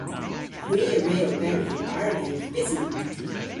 Hwi a wre oberi yn ayrgylgh bysi.